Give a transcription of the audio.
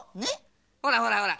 ほらほらほら！